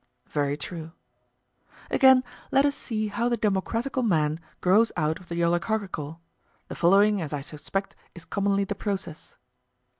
Very true. Again, let us see how the democratical man grows out of the oligarchical: the following, as I suspect, is commonly the process.